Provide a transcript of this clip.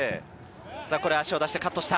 足を出してカットした。